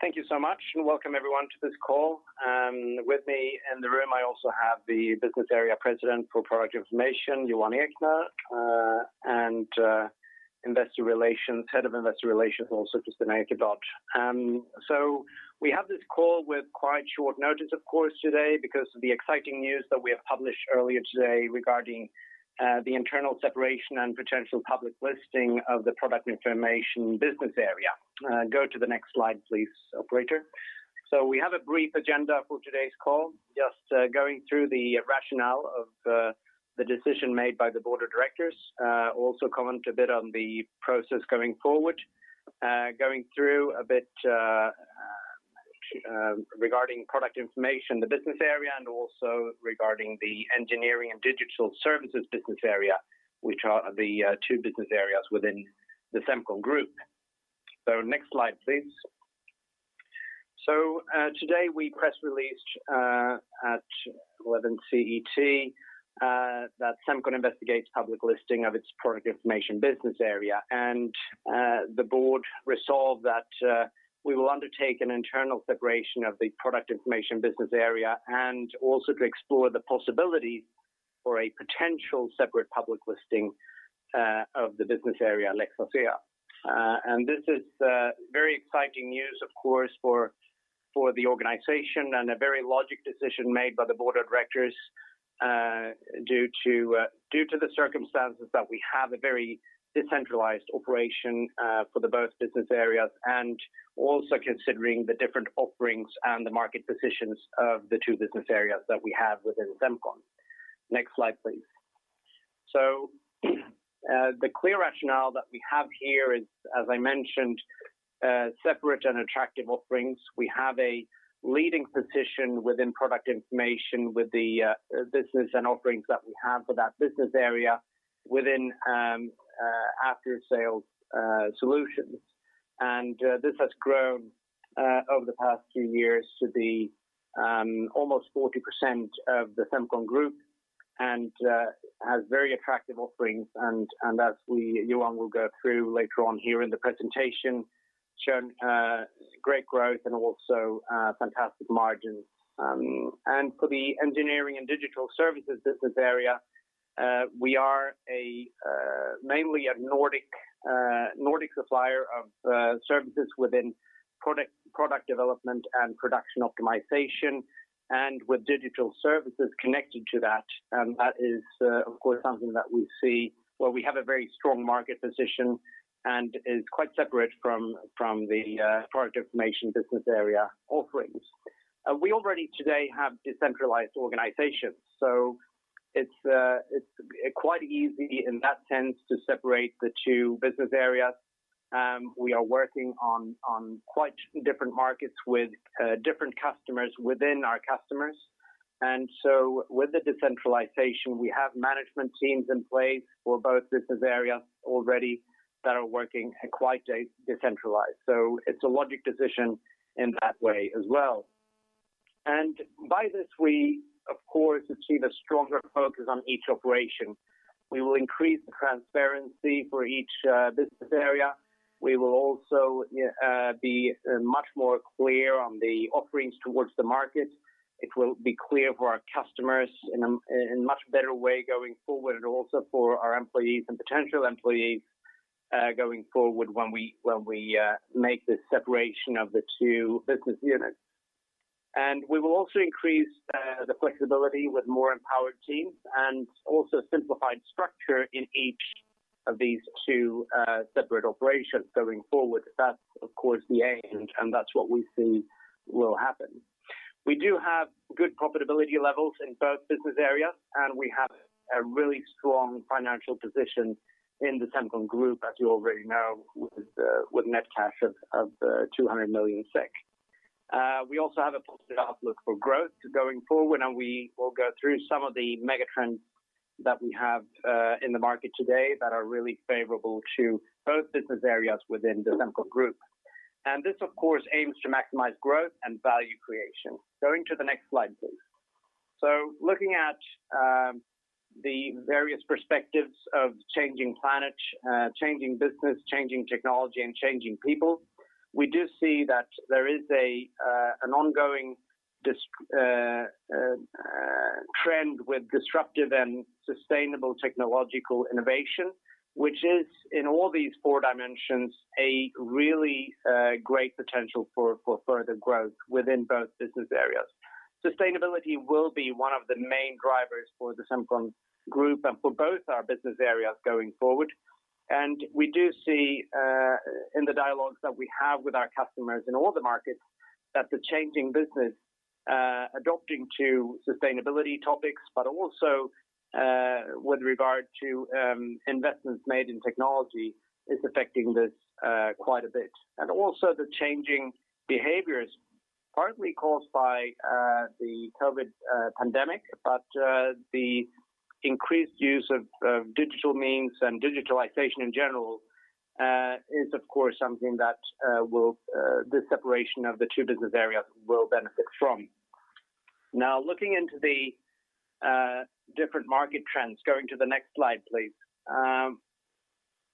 Thank you so much and welcome everyone to this call. With me in the room, I also have the Business Area President for Product Information, Johan Ekener, and Head of Investor Relations, also Kristina Ekeblad. We have this call with quite short notice, of course, today because of the exciting news that we have published earlier today regarding the internal separation and potential public listing of the Product Information business area. Go to the next slide, please, operator. We have a brief agenda for today's call, just going through the rationale of the decision made by the board of directors. Also comment a bit on the process going forward. Going through a bit regarding Product Information, the business area, and also regarding the Engineering & Digital Services business area, which are the two business areas within the Semcon Group. Next slide, please. Today we press released at 11:00 CET that Semcon investigates public listing of its Product Information business area. The board resolved that we will undertake an internal separation of the Product Information business area and also to explore the possibility for a potential separate public listing of the business area Lex Asea. This is very exciting news, of course, for the organization and a very logic decision made by the board of directors due to the circumstances that we have a very decentralized operation for the both business areas, and also considering the different offerings and the market positions of the two business areas that we have within Semcon. Next slide, please. The clear rationale that we have here is, as I mentioned, separate and attractive offerings. We have a leading position within Product Information with the business and offerings that we have for that business area within after-sales solutions. This has grown over the past few years to be almost 40% of the Semcon Group and has very attractive offerings, and as Johan will go through later on here in the presentation, shown great growth and also fantastic margins. For the Engineering & Digital Services business area, we are mainly a Nordic supplier of services within product development and production optimization, and with digital services connected to that. That is, of course, something that we see where we have a very strong market position and is quite separate from the Product Information business area offerings. We already today have decentralized organizations, so it's quite easy in that sense to separate the two business areas. We are working on quite different markets with different customers within our customers. With the decentralization, we have management teams in place for both business areas already that are working quite decentralized. So it's a logic decision in that way as well. By this, we of course achieve a stronger focus on each operation. We will increase the transparency for each business area. We will also be much more clear on the offerings towards the market. It will be clear for our customers in a much better way going forward and also for our employees and potential employees going forward when we make this separation of the two business units. We will also increase the flexibility with more empowered teams and also simplified structure in each of these two separate operations going forward. That's of course the aim, that's what we see will happen. We do have good profitability levels in both business areas. We have a really strong financial position in the Semcon Group, as you already know, with net cash of 200 million SEK. We also have a positive outlook for growth going forward. We will go through some of the mega trends that we have in the market today that are really favorable to both business areas within the Semcon Group. This, of course, aims to maximize growth and value creation. Going to the next slide, please. Looking at the various perspectives of changing planet, changing business, changing technology, and changing people, we do see that there is an ongoing trend with disruptive and sustainable technological innovation, which is, in all these four dimensions, a really great potential for further growth within both business areas. Sustainability will be one of the main drivers for the Semcon Group and for both our business areas going forward. We do see in the dialogues that we have with our customers in all the markets that the changing business adopting to sustainability topics, but also with regard to investments made in technology is affecting this quite a bit. Also the changing behaviors, partly caused by the COVID pandemic, but the increased use of digital means and digitalization in general is, of course, something that the separation of the two business areas will benefit from. Now, looking into the different market trends, going to the next slide, please.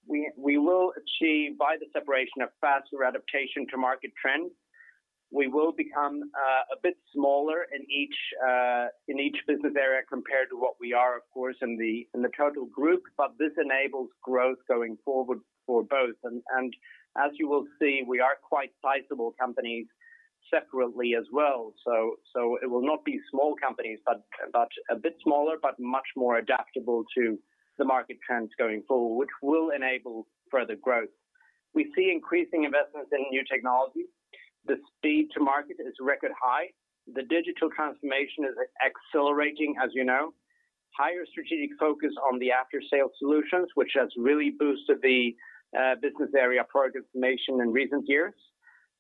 We will achieve, by the separation, a faster adaptation to market trends. We will become a bit smaller in each business area compared to what we are, of course, in the total group, but this enables growth going forward for both. As you will see, we are quite sizable companies separately as well. It will not be small companies, a bit smaller, but much more adaptable to the market trends going forward, which will enable further growth. We see increasing investments in new technology. The speed to market is record high. The digital transformation is accelerating, as you know. Higher strategic focus on the after-sales solutions, which has really boosted the business area Product Information in recent years.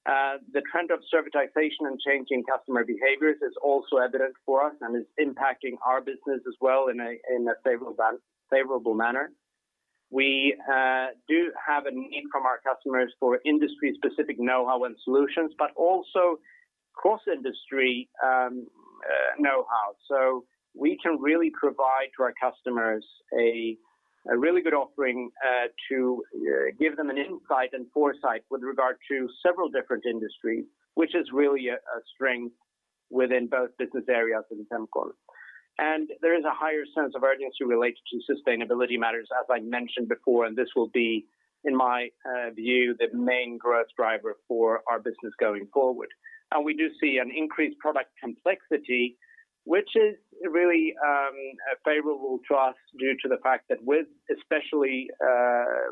The trend of servitization and changing customer behaviors is also evident for us and is impacting our business as well in a favorable manner. We do have a need from our customers for industry-specific knowhow and solutions, but also cross-industry knowhow. We can really provide to our customers a really good offering to give them an insight and foresight with regard to several different industries, which is really a strength within both business areas in Semcon. There is a higher sense of urgency related to sustainability matters, as I mentioned before, and this will be, in my view, the main growth driver for our business going forward. We do see an increased product complexity, which is really favorable to us due to the fact that with, especially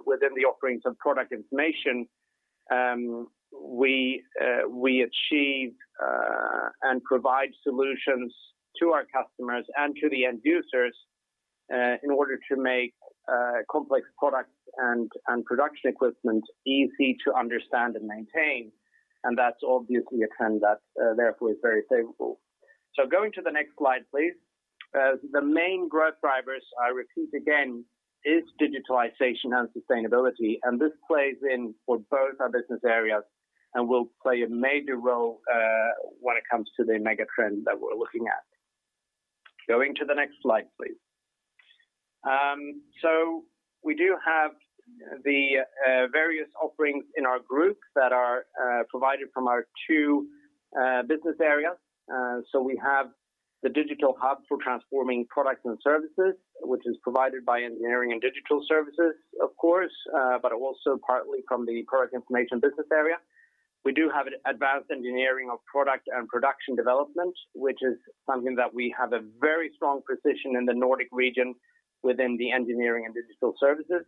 within the offerings of Product Information, we achieve and provide solutions to our customers and to the end users in order to make complex products and production equipment easy to understand and maintain. That's obviously a trend that therefore is very favorable. Going to the next slide, please. The main growth drivers, I repeat again, is digitalization and sustainability. This plays in for both our business areas and will play a major role when it comes to the mega trend that we're looking at. Going to the next slide, please. We do have the various offerings in our Group that are provided from our two business areas. We have the digital hub for transforming products and services, which is provided by Engineering & Digital Services, of course, but also partly from the Product Information business area. We do have advanced engineering of product and production development, which is something that we have a very strong position in the Nordic region within the Engineering & Digital Services.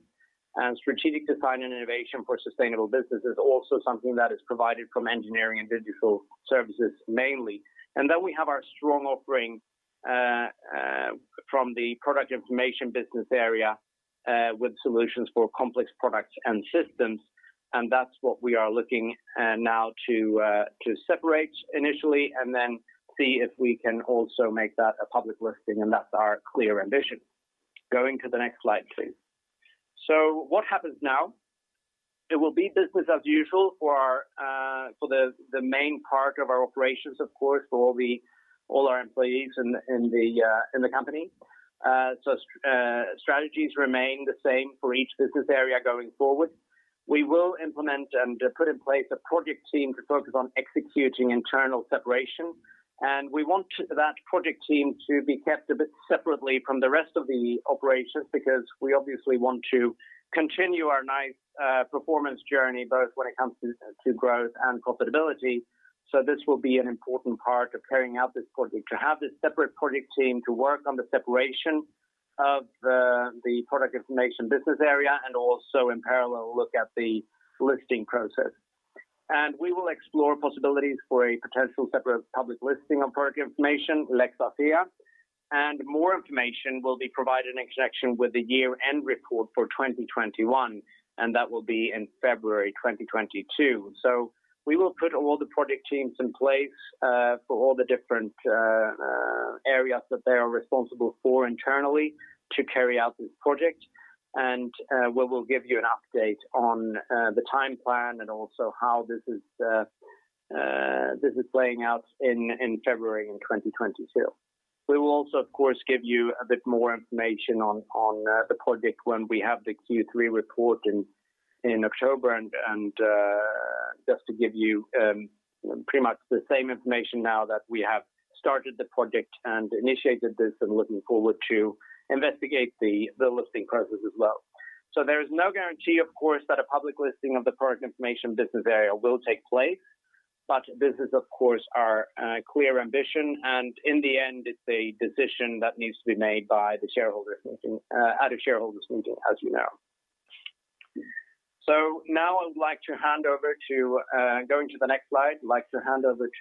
Strategic design and innovation for sustainable business is also something that is provided from Engineering & Digital Services mainly. Then we have our strong offering from the Product Information business area with solutions for complex products and systems, and that's what we are looking now to separate initially and then see if we can also make that a public listing, and that's our clear ambition. Going to the next slide, please. What happens now? It will be business as usual for the main part of our operations, of course, for all our employees in the company. Strategies remain the same for each business area going forward. We will implement and put in place a project team to focus on executing internal separation. We want that project team to be kept a bit separately from the rest of the operations, because we obviously want to continue our nice performance journey, both when it comes to growth and profitability. This will be an important part of carrying out this project, to have this separate project team to work on the separation of the Product Information business area and also in parallel, look at the listing process. We will explore possibilities for a potential separate public listing of Product Information, Lex Asea, and more information will be provided in connection with the year-end report for 2021, and that will be in February 2022. We will put all the project teams in place for all the different areas that they are responsible for internally to carry out this project. We will give you an update on the time plan and also how this is playing out in February in 2022. We will also, of course, give you a bit more information on the project when we have the Q3 report in October, and just to give you pretty much the same information now that we have started the project and initiated this and looking forward to investigate the listing process as well. There is no guarantee, of course, that a public listing of the Product Information business area will take place. This is, of course, our clear ambition, and in the end, it's a decision that needs to be made by the shareholders at a shareholders meeting, as you know. Now I would like to hand over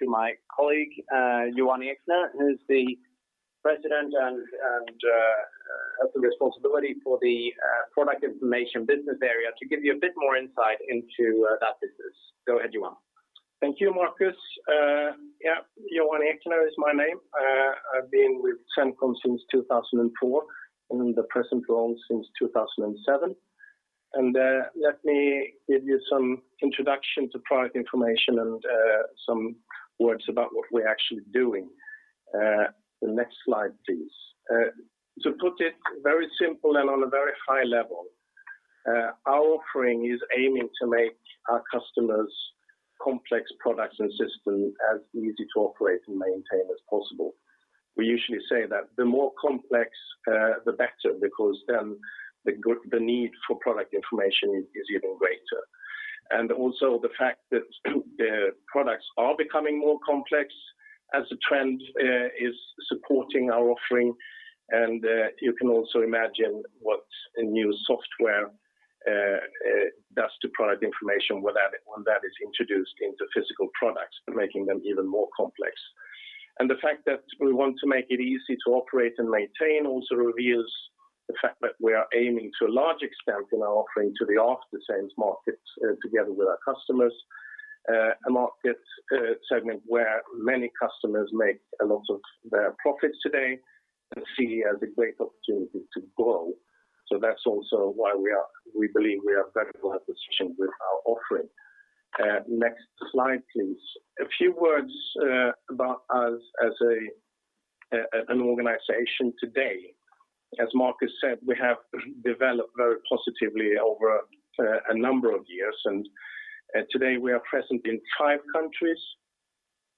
to my colleague, Johan Ekener, who's the President and has the responsibility for the Product Information business area to give you a bit more insight into that business. Go ahead, Johan. Thank you, Marcus. Yeah, Johan Ekener is my name. I've been with Semcon since 2004, in the present role since 2007. Let me give you some introduction to Product Information and some words about what we're actually doing. The next slide, please. To put it very simple and on a very high level, our offering is aiming to make our customers' complex products and systems as easy to operate and maintain as possible. We usually say that the more complex, the better, because then the need for Product Information is even greater. Also the fact that products are becoming more complex as a trend is supporting our offering. You can also imagine what new software does to Product Information when that is introduced into physical products, making them even more complex. The fact that we want to make it easy to operate and maintain also reveals the fact that we are aiming to a large extent in our offering to the after-sales market, together with our customers. A market segment where many customers make a lot of their profits today and see as a great opportunity to grow. That's also why we believe we are very well-positioned with our offering. Next slide, please. A few words about us as an organization today. As Marcus said, we have developed very positively over a number of years, and today we are present in five countries,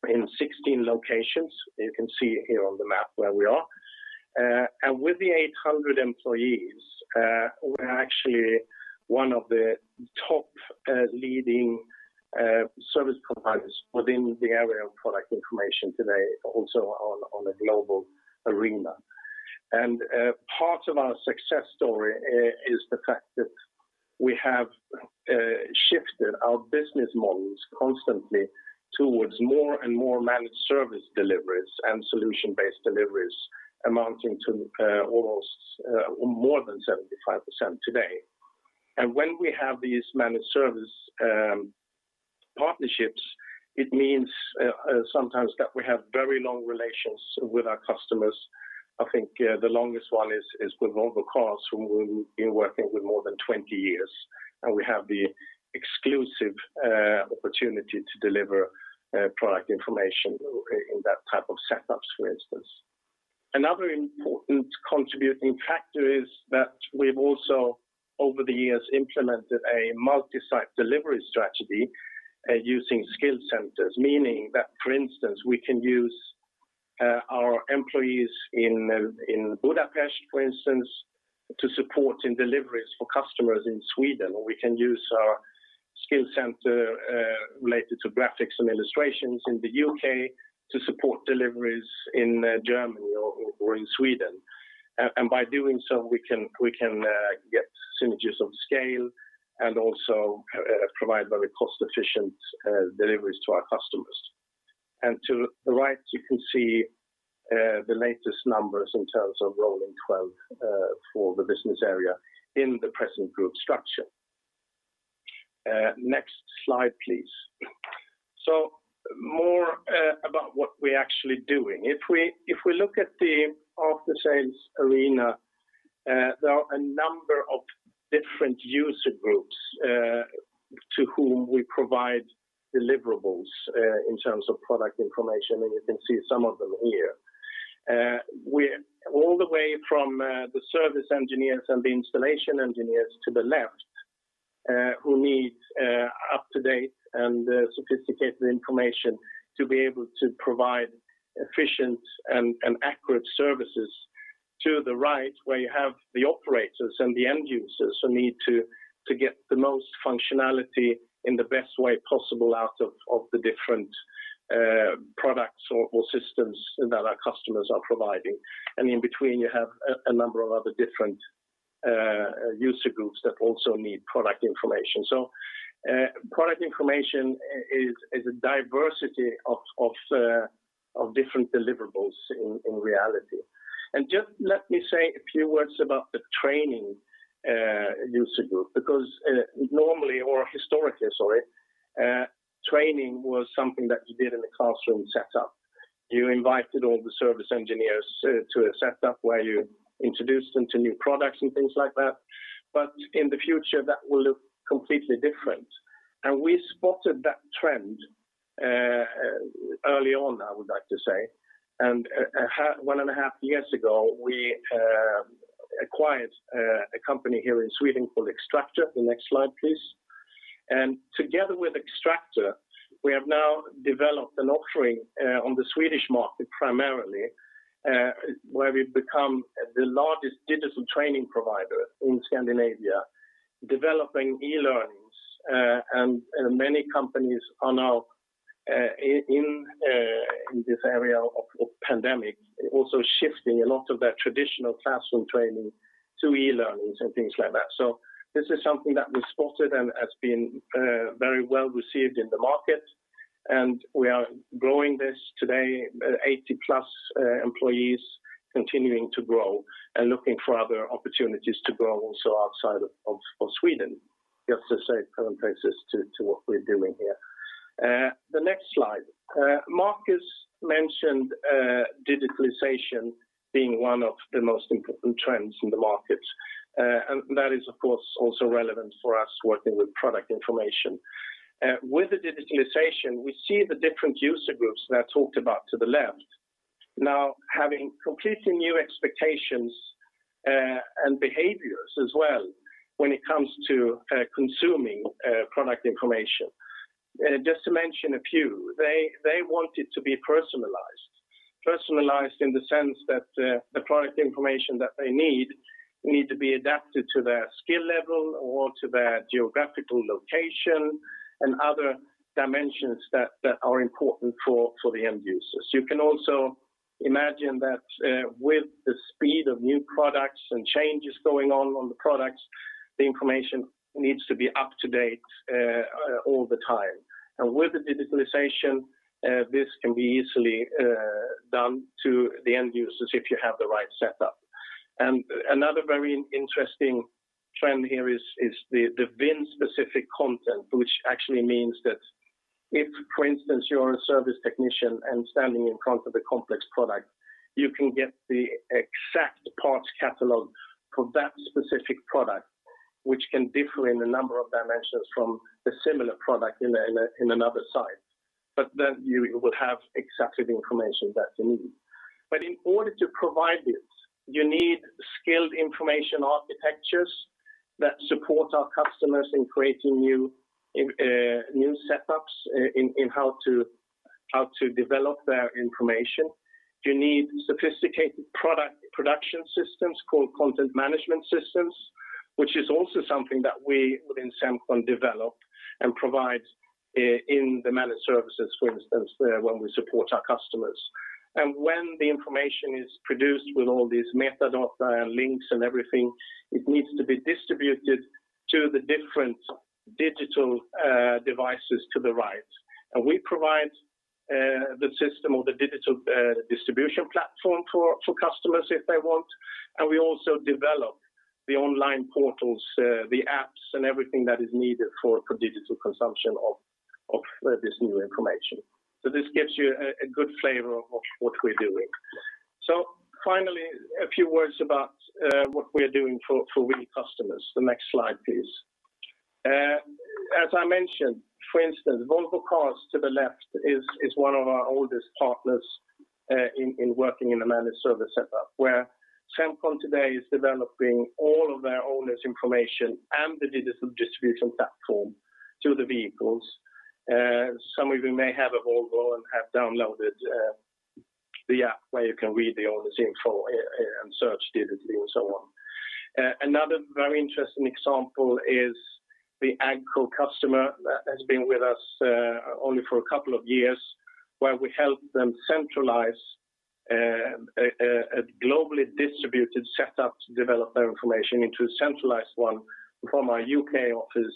in 16 locations. You can see here on the map where we are. With the 800 employees, we're actually one of the top leading service providers within the area of Product Information today, also on a global arena. Part of our success story is the fact that we have shifted our business models constantly towards more and more managed service deliveries and solution-based deliveries, amounting to more than 75% today. When we have these managed service partnerships, it means sometimes that we have very long relations with our customers. I think the longest one is with Volvo Cars, who we've been working with more than 20 years, and we have the exclusive opportunity to deliver Product Information in that type of setups, for instance. Another important contributing factor is that we've also, over the years, implemented a multi-site delivery strategy using skill centers, meaning that, for instance, we can use our employees in Budapest, for instance, to support in deliveries for customers in Sweden, or we can use our skill center related to graphics and illustrations in the U.K. to support deliveries in Germany or in Sweden. By doing so, we can get synergies of scale and also provide very cost-efficient deliveries to our customers. To the right, you can see the latest numbers in terms of rolling 12 for the business area in the present group structure. Next slide, please. More about what we're actually doing. If we look at the after-sales arena, there are a number of different user groups to whom we provide deliverables in terms of Product Information, and you can see some of them here. All the way from the service engineers and the installation engineers to the left, who need up-to-date and sophisticated information to be able to provide efficient and accurate services. To the right, where you have the operators and the end users who need to get the most functionality in the best way possible out of the different products or systems that our customers are providing. In between, you have a number of other different user groups that also need product information. Product information is a diversity of different deliverables in reality. Just let me say a few words about the training user group, because normally or historically, sorry, training was something that you did in a classroom setup. You invited all the service engineers to a setup where you introduced them to new products and things like that. In the future, that will look completely different. We spotted that trend early on, I would like to say. One and a half years ago, we acquired a company here in Sweden called Xtractor. The next slide, please. Together with Xtractor, we have now developed an offering on the Swedish market primarily, where we've become the largest digital training provider in Scandinavia, developing e-learning. Many companies are now, in this area of pandemic, also shifting a lot of their traditional classroom training to e-learning and things like that. This is something that we spotted and has been very well-received in the market, and we are growing this today, 80+ employees continuing to grow and looking for other opportunities to grow also outside of Sweden. Just to set parentheses to what we're doing here. The next slide. Marcus mentioned digitalization being one of the most important trends in the market. That is, of course, also relevant for us working with Product Information. With the digitalization, we see the different user groups that I talked about to the left now having completely new expectations and behaviors as well when it comes to consuming Product Information. Just to mention a few, they want it to be personalized. Personalized in the sense that the Product Information that they need to be adapted to their skill level or to their geographical location and other dimensions that are important for the end users. You can also imagine that with the speed of new products and changes going on the products, the information needs to be up to date all the time. With the digitalization, this can be easily done to the end users if you have the right setup. Another very interesting trend here is the VIN-specific content, which actually means that if, for instance, you're a service technician and standing in front of the complex product, you can get the exact parts catalog for that specific product, which can differ in a number of dimensions from the similar product in another site. Then you would have exactly the information that you need. In order to provide this, you need skilled information architectures that support our customers in creating new setups in how to develop their information. You need sophisticated product production systems called content management systems, which is also something that we within Semcon develop and provide in the managed services, for instance, when we support our customers. When the information is produced with all these metadata links and everything, it needs to be distributed to the different digital devices to the right. We provide the system or the digital distribution platform for customers if they want. We also develop the online portals, the apps, and everything that is needed for digital consumption of this new information. This gives you a good flavor of what we're doing. Finally, a few words about what we're doing for customers. The next slide, please. As I mentioned, for instance, Volvo Cars to the left is one of our oldest partners in working in a managed service setup where Semcon today is developing all of their owners' information and the digital distribution platform to the vehicles. Some of you may have a Volvo and have downloaded the app where you can read the owner's info and search digitally and so on. Another very interesting example is the AGCO customer that has been with us only for a couple of years, where we help them centralize a globally distributed setup to develop their information into a centralized one from our U.K. office,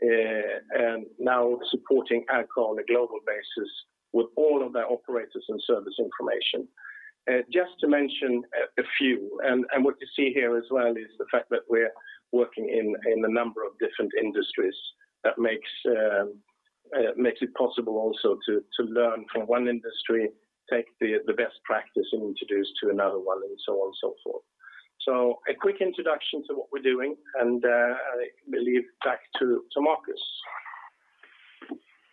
and now supporting AGCO on a global basis with all of their operators and service information. Just to mention a few, and what you see here as well is the fact that we're working in a number of different industries that makes it possible also to learn from one industry, take the best practice, and introduce to another one, and so on and so forth. A quick introduction to what we're doing, and I believe back to Marcus.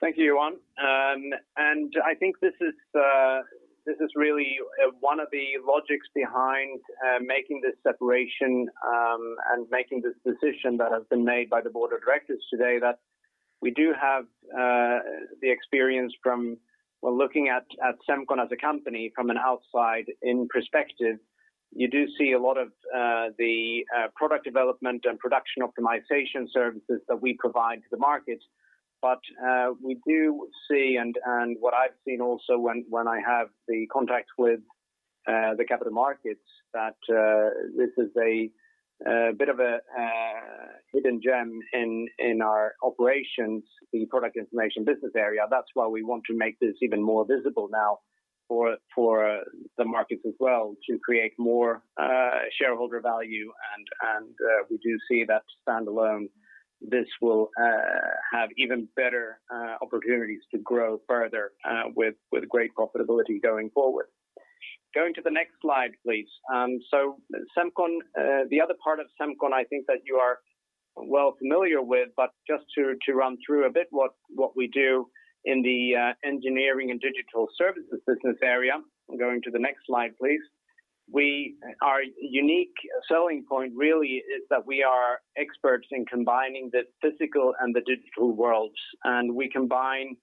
Thank you, Johan. I think this is really one of the logics behind making this separation, and making this decision that has been made by the board of directors today, that we do have the experience from looking at Semcon as a company from an outside-in perspective. You do see a lot of the product development and production optimization services that we provide to the market. We do see, and what I've seen also when I have the contacts with the capital markets, that this is a bit of a hidden gem in our operations, the Product Information business area. That's why we want to make this even more visible now for the markets as well to create more shareholder value. We do see that standalone, this will have even better opportunities to grow further with great profitability going forward. Going to the next slide, please. The other part of Semcon, I think that you are well familiar with, but just to run through a bit what we do in the Engineering & Digital Services business area. Going to the next slide, please. Our unique selling point really is that we are experts in combining the physical and the digital worlds. We combine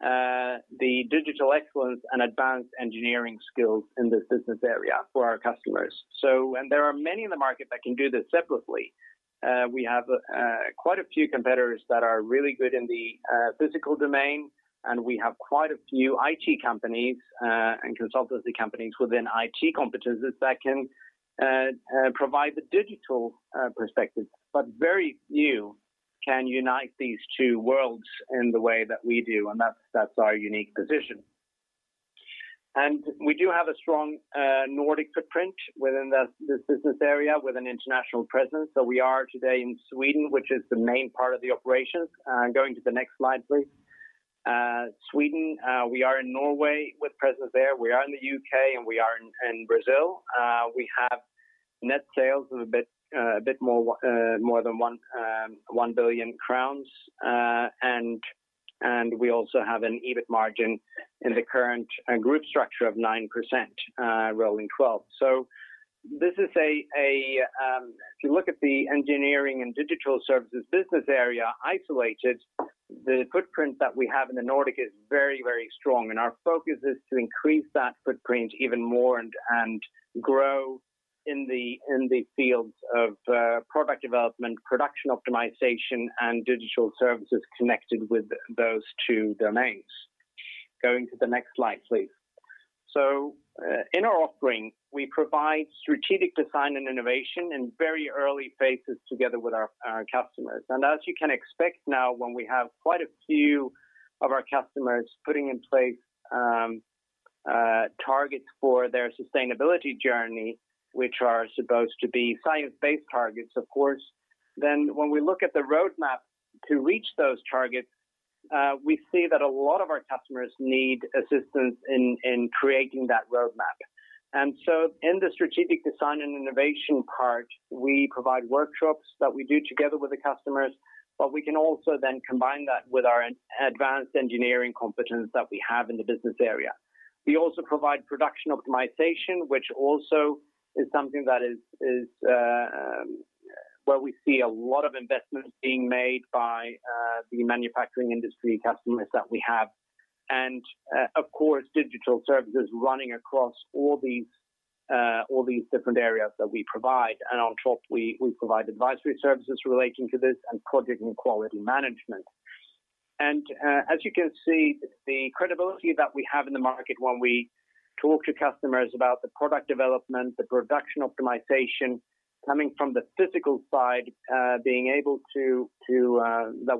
the digital excellence and advanced engineering skills in this business area for our customers. There are many in the market that can do this separately. We have quite a few competitors that are really good in the physical domain, and we have quite a few IT companies and consultancy companies within IT competencies that can provide the digital perspective. Very few can unite these two worlds in the way that we do, and that's our unique position. We do have a strong Nordic Footprint within this business area with an international presence. We are today in Sweden, which is the main part of the operations. Going to the next slide, please. Sweden, we are in Norway with presence there. We are in the U.K. and we are in Brazil. We have net sales of a bit more than 1 billion crowns. We also have an EBIT margin in the current group structure of 9%, rolling 12. If you look at the Engineering & Digital Services business area isolated, the footprint that we have in the Nordic is very, very strong, and our focus is to increase that footprint even more and grow in the fields of product development, production optimization, and digital services connected with those two domains. Going to the next slide, please. In our offering, we provide strategic design and innovation in very early phases together with our customers. As you can expect now, when we have quite a few of our customers putting in place targets for their sustainability journey, which are supposed to be science-based targets, of course, then when we look at the roadmap to reach those targets, we see that a lot of our customers need assistance in creating that roadmap. In the strategic design and innovation part, we provide workshops that we do together with the customers, but we can also then combine that with our advanced engineering competence that we have in the business area. We also provide production optimization, which also is something where we see a lot of investments being made by the manufacturing industry customers that we have. Of course, digital services running across all these different areas that we provide. On top, we provide advisory services relating to this and project and quality management. As you can see, the credibility that we have in the market when we talk to customers about the product development, the production optimization, coming from the physical side, that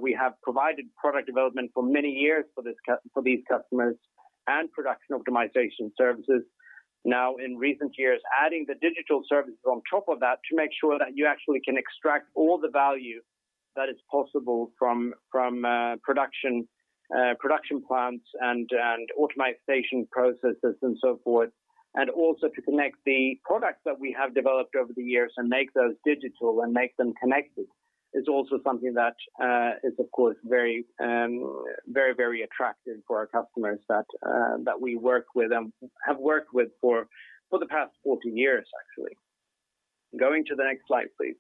we have provided product development for many years for these customers and production optimization services. Now in recent years, adding the digital services on top of that to make sure that you actually can extract all the value that is possible from production plants and automatization processes and so forth. Also to connect the products that we have developed over the years and make those digital and make them connected is also something that is, of course, very attractive for our customers that we work with and have worked with for the past 14 years, actually. Going to the next slide, please.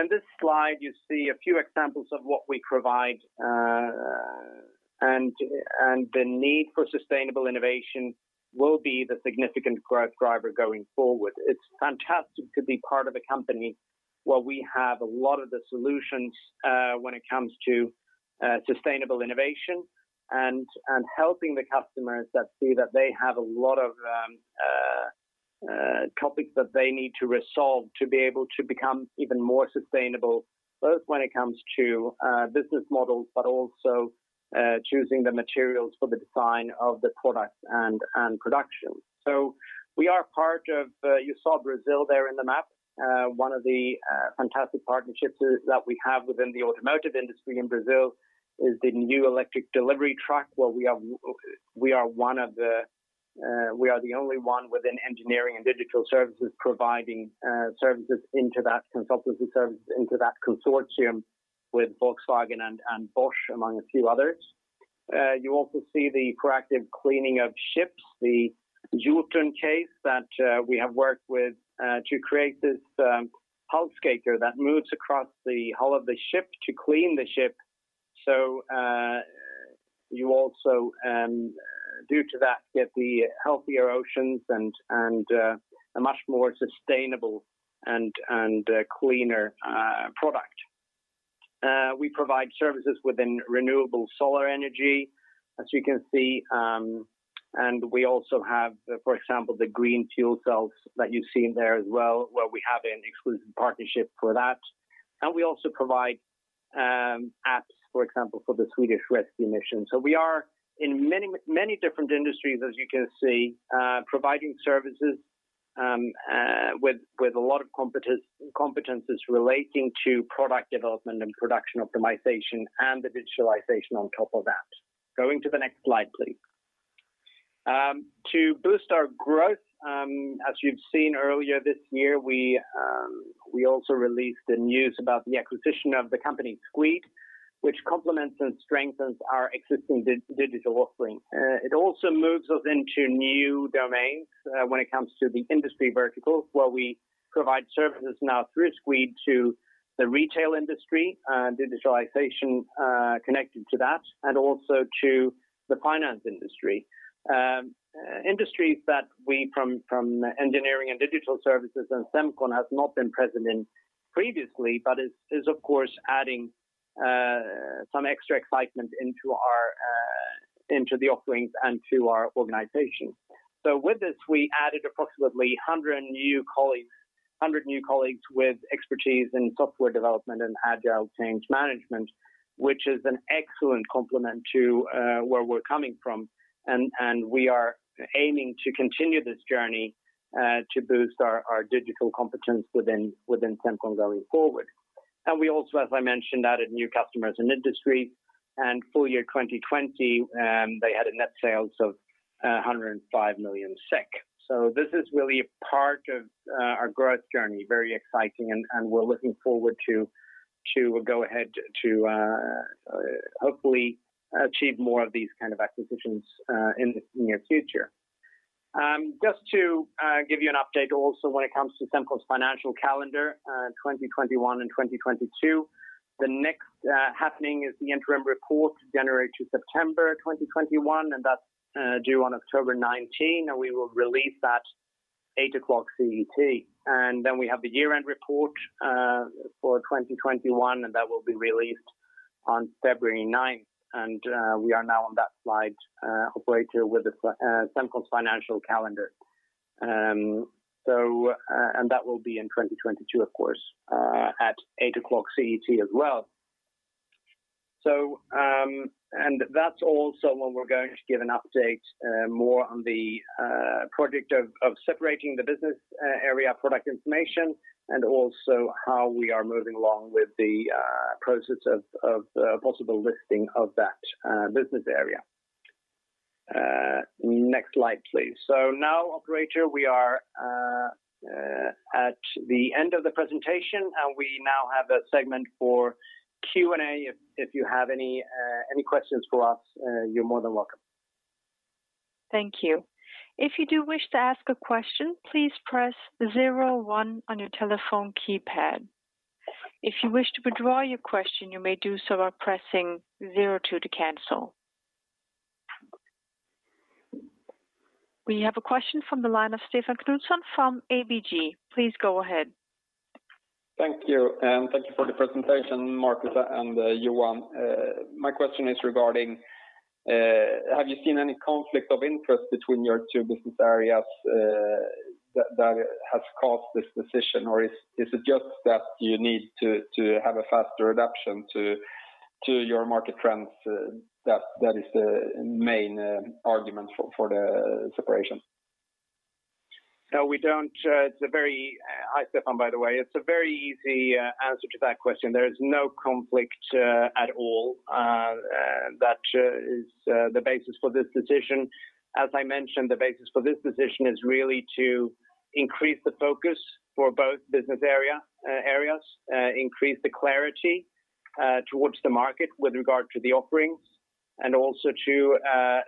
In this slide, you see a few examples of what we provide, and the need for sustainable innovation will be the significant growth driver going forward. It's fantastic to be part of a company where we have a lot of the solutions when it comes to sustainable innovation and helping the customers that see that they have a lot of topics that they need to resolve to be able to become even more sustainable, both when it comes to business models, but also choosing the materials for the design of the products and production. You saw Brazil there on the map. One of the fantastic partnerships that we have within the automotive industry in Brazil is the new electric delivery truck, where we are the only one within Engineering & Digital Services providing consultancy services into that consortium with Volkswagen and Bosch, among a few others. You also see the proactive cleaning of ships, the Jotun case that we have worked with to create this hull scraper that moves across the hull of the ship to clean the ship. You also, due to that, get the healthier oceans and a much more sustainable and cleaner product. We provide services within renewable solar energy, as you can see, we also have, for example, the green fuel cells that you see in there as well, where we have an exclusive partnership for that. We also provide apps, for example, for the Swedish Rescue Mission. We are in many different industries, as you can see, providing services with a lot of competencies relating to product development and production optimization and the digitalization on top of that. Going to the next slide, please. To boost our growth, as you've seen earlier this year, we also released the news about the acquisition of the company Squeed, which complements and strengthens our existing digital offering. It also moves us into new domains when it comes to the industry verticals, where we provide services now through Squeed to the retail industry and digitalization connected to that, and also to the finance industry. Industries that we from Engineering & Digital Services and Semcon has not been present in previously, but is of course adding some extra excitement into the offerings and to our organization. With this, we added approximately 100 new colleagues with expertise in software development and agile change management, which is an excellent complement to where we're coming from. We are aiming to continue this journey to boost our digital competence within Semcon going forward. We also, as I mentioned, added new customers in industry. Full year 2020, they had a net sales of 105 million SEK. This is really a part of our growth journey, very exciting, and we're looking forward to go ahead to hopefully achieve more of these kind of acquisitions in the near future. Just to give you an update also when it comes to Semcon's financial calendar, 2021 and 2022. The next happening is the interim report, January to September 2021, and that's due on October 19, and we will release that 8:00 A.M. CET. We have the year-end report for 2021, and that will be released on February 9th. We are now on that slide, operator, with the Semcon financial calendar. That will be in 2022, of course, at 8:00 A.M. CET as well. That's also when we're going to give an update more on the project of separating the business area Product Information, and also how we are moving along with the process of possible listing of that business area. Next slide, please. Now, operator, we are at the end of the presentation, and we now have a segment for Q&A. If you have any questions for us, you're more than welcome. Thank you. If you do wish to ask a question, please press zero one on your telephone keypad. If you wish to withdraw your question, you may do so by pressing zero two to cancel. We have a question from the line of Stefan Knutsson from ABG. Please go ahead. Thank you, and thank you for the presentation, Marcus and Johan. My question is regarding, have you seen any conflict of interest between your two business areas that has caused this decision? Or is it just that you need to have a faster adaption to your market trends, that is the main argument for the separation? No, we don't. Hi, Stefan, by the way. It's a very easy answer to that question. There is no conflict at all that is the basis for this decision. As I mentioned, the basis for this decision is really to increase the focus for both business areas, increase the clarity towards the market with regard to the offerings, also to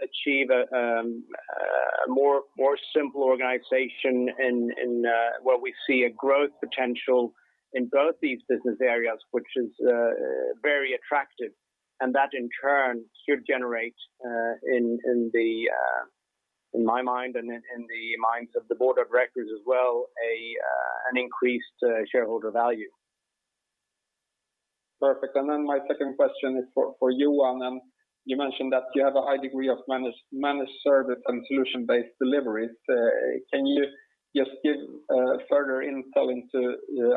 achieve a more simple organization in where we see a growth potential in both these business areas, which is very attractive. That in turn should generate, in my mind and in the minds of the board of directors as well, an increased shareholder value. Perfect. My second question is for Johan. You mentioned that you have a high degree of managed service and solution-based deliveries. Can you just give further intel into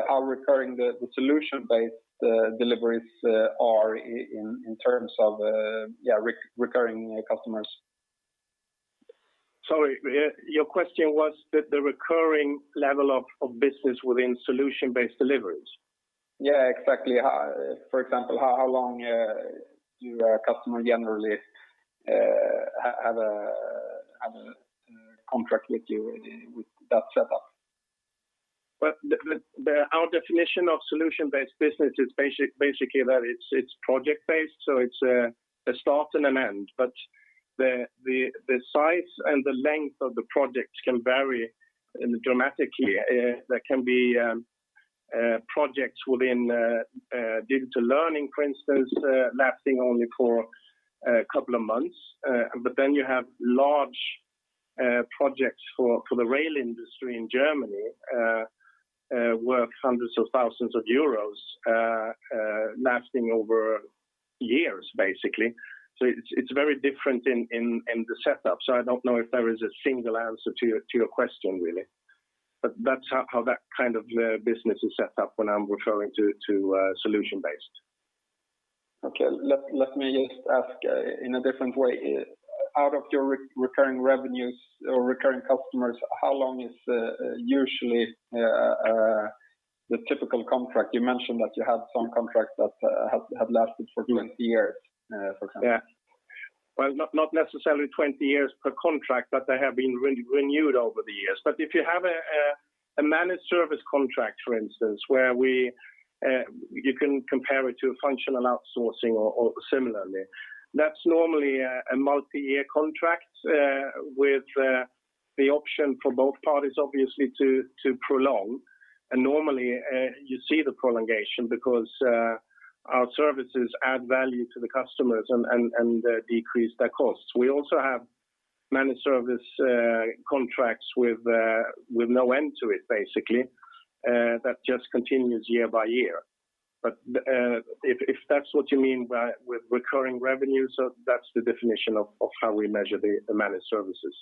how recurring the solution-based deliveries are in terms of recurring customers? Sorry, your question was the recurring level of business within solution-based deliveries? Yeah, exactly. For example, how long do a customer generally have a contract with you with that setup? Well, our definition of solution-based business is basically that it's project based. It's a start and an end. The size and the length of the project can vary dramatically. There can be projects within digital learning, for instance, lasting only for a couple of months. Then you have large projects for the rail industry in Germany, worth hundreds of thousands of EUR, lasting over years, basically. It's very different in the setup. I don't know if there is a single answer to your question, really. That's how that kind of business is set up when I'm referring to solution based. Okay. Let me just ask in a different way. Out of your recurring revenues or recurring customers, how long is usually the typical contract? You mentioned that you have some contracts that have lasted for 20 years, for example. Well, not necessarily 20 years per contract, they have been renewed over the years. If you have a managed service contract, for instance, where you can compare it to functional outsourcing or similarly, that's normally a multi-year contract with the option for both parties, obviously, to prolong. Normally, you see the prolongation because our services add value to the customers and decrease their costs. We also have managed service contracts with no end to it, basically, that just continues year by year. If that's what you mean by with recurring revenues, that's the definition of how we measure the managed services.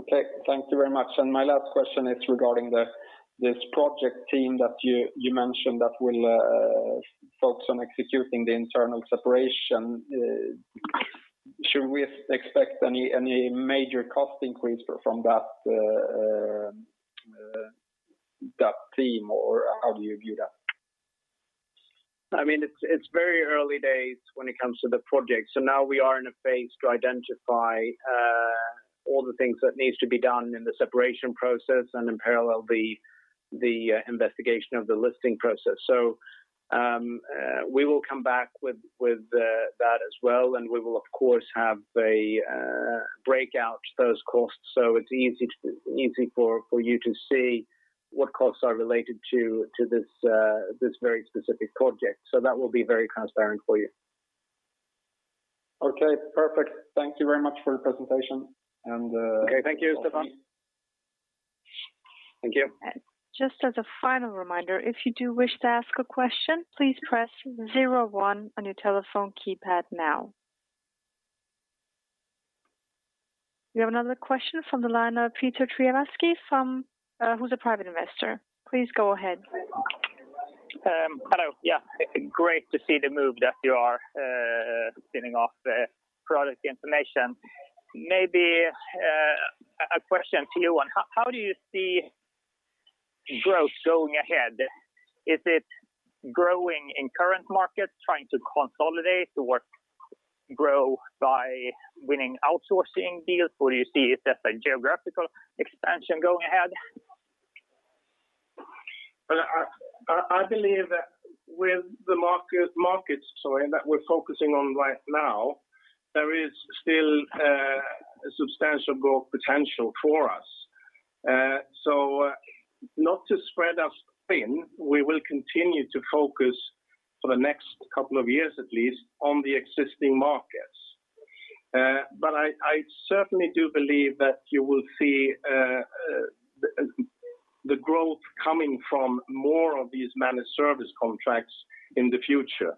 Okay, thank you very much. My last question is regarding this project team that you mentioned that will focus on executing the internal separation. Should we expect any major cost increase from that team, or how do you view that? It's very early days when it comes to the project. Now we are in a phase to identify all the things that needs to be done in the separation process and in parallel the investigation of the listing process. We will come back with that as well, we will of course have a breakout those costs, so it's easy for you to see what costs are related to this very specific project. That will be very transparent for you. Okay, perfect. Thank you very much for your presentation. Okay. Thank you, Stefan. Thank you. Just as a final reminder, if you do wish to ask a question, please press zero one on your telephone keypad now. We have another question from the line of Peter Tertzakian, who's a private investor. Please go ahead. Hello. Yeah. Great to see the move that you are spinning off the Product Information. Maybe a question to you on, how do you see growth going ahead? Is it growing in current markets, trying to consolidate or grow by winning outsourcing deals, or you see it as a geographical expansion going ahead? I believe that with the markets that we're focusing on right now, there is still substantial growth potential for us. Not to spread us thin, we will continue to focus for the next couple of years, at least, on the existing markets. I certainly do believe that you will see the growth coming from more of these managed service contracts in the future.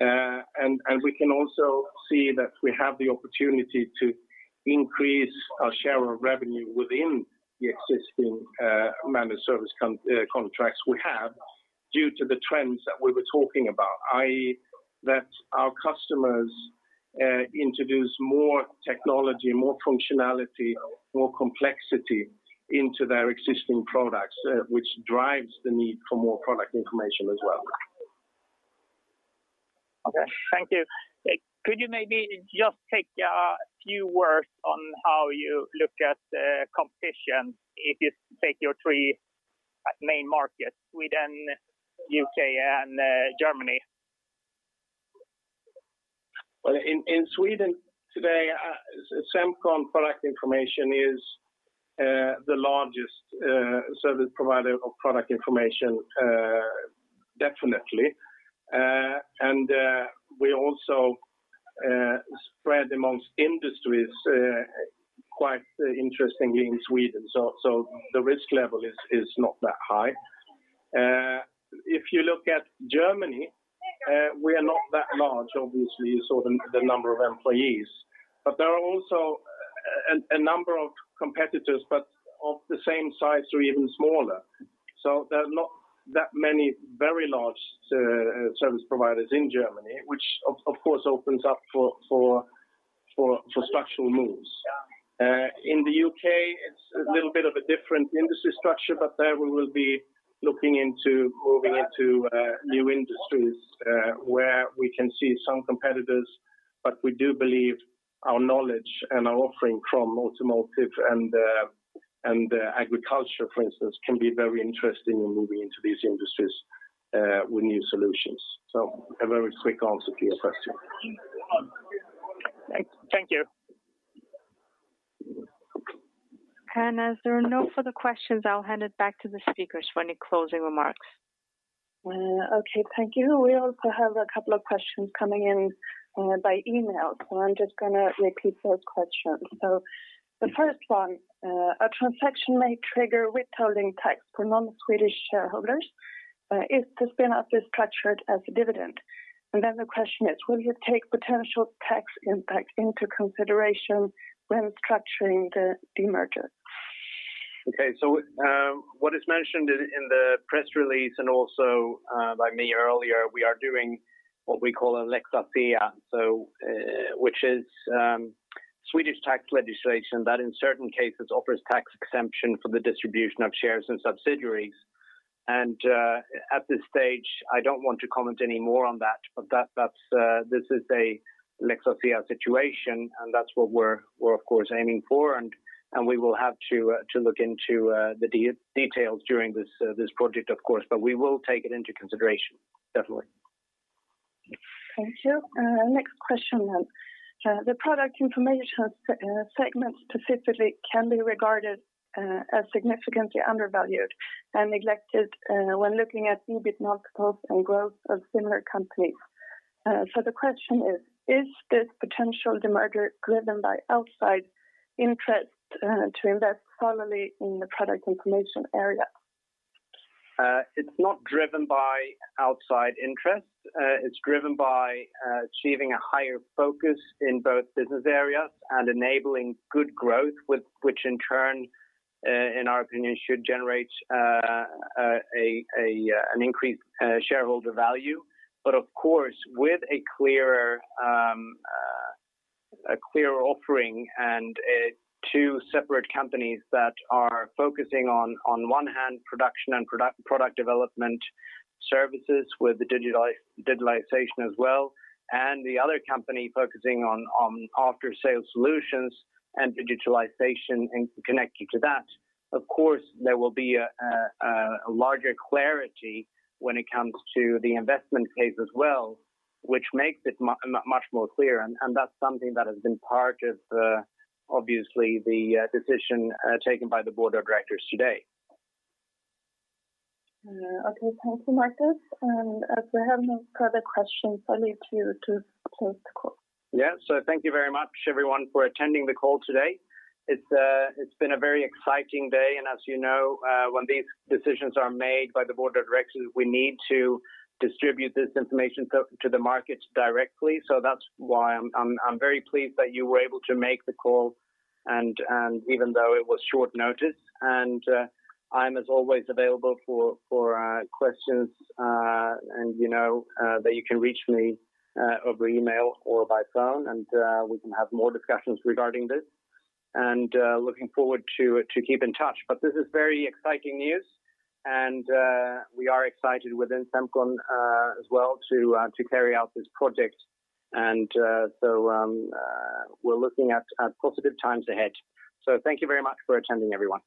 We can also see that we have the opportunity to increase our share of revenue within the existing managed service contracts we have due to the trends that we were talking about, i.e., that our customers introduce more technology, more functionality, more complexity into their existing products, which drives the need for more product information as well. Okay, thank you. Could you maybe just take a few words on how you look at competition if you take your three main markets, Sweden, U.K. and Germany? In Sweden today, Semcon Product Information is the largest service provider of product information definitely. We also spread amongst industries quite interestingly in Sweden. The risk level is not that high. If you look at Germany, we are not that large, obviously. You saw the number of employees. There are also a number of competitors, but of the same size or even smaller. There are not that many very large service providers in Germany, which of course opens up for structural moves. In the U.K. it's a little bit of a different industry structure, but there we will be looking into moving into new industries where we can see some competitors, but we do believe our knowledge and our offering from automotive and agriculture, for instance, can be very interesting in moving into these industries with new solutions. A very quick answer to your question. Thank you. As there are no further questions, I'll hand it back to the speakers for any closing remarks. Okay. Thank you. We also have a couple of questions coming in by email. I'm just going to repeat those questions. The first one, a transaction may trigger withholding tax for non-Swedish shareholders if the spin-off is structured as a dividend. The question is: will you take potential tax impact into consideration when structuring the demerger? Okay. What is mentioned in the press release and also by me earlier, we are doing what we call a Lex Asea, which is Swedish tax legislation that in certain cases offers tax exemption for the distribution of shares and subsidiaries. At this stage, I don't want to comment any more on that, but this is a Lex Asea situation, and that's what we're of course, aiming for, and we will have to look into the details during this project of course, but we will take it into consideration, definitely. Thank you. Our next question is The Product Information segment specifically can be regarded as significantly undervalued and neglected when looking at EBIT multiples and growth of similar companies. The question is this potential demerger driven by outside interest to invest solely in the Product Information area? It's not driven by outside interests. It's driven by achieving a higher focus in both business areas and enabling good growth, which in turn, in our opinion, should generate an increased shareholder value. Of course, with a clear offering and two separate companies that are focusing on one hand production and product development services with the digitalization as well, and the other company focusing on after-sales solutions and digitalization and connected to that. Of course, there will be a larger clarity when it comes to the investment case as well, which makes it much clearer, and that's something that has been part of obviously the decision taken by the board of directors today. Okay. Thank you, Marcus. As we have no further questions, I leave you to close the call. Yeah. Thank you very much everyone for attending the call today. It's been a very exciting day and as you know when these decisions are made by the board of directors, we need to distribute this information to the markets directly. That's why I'm very pleased that you were able to make the call even though it was short notice. I'm, as always, available for questions, and you know that you can reach me over email or by phone, and we can have more discussions regarding this. Looking forward to keeping in touch. This is very exciting news, and we are excited within Semcon as well to carry out this project. We're looking at positive times ahead. Thank you very much for attending, everyone.